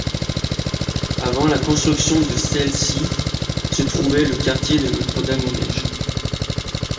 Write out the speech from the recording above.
Avant la construction de celle-ci, se trouvait le quartier de Notre-Dame-aux-Neiges.